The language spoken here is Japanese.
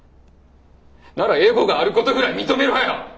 ならエゴがあることぐらい認めろよ！